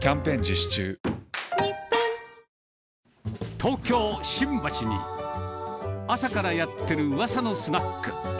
東京・新橋に、朝からやってるうわさのスナック。